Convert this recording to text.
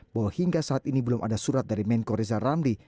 bahwa hingga saat ini belum ada surat dari menko rizal ramli